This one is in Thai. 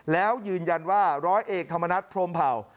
แล้วยืนยันว่าร้อยเอกธรรมนัฐพรมเผ่า